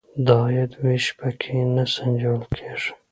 د عاید وېش په کې نه سنجول کیږي.